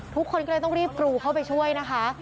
ทุกคนก็เลยต้องรีบกรูเข้าไปช่วยนะคะ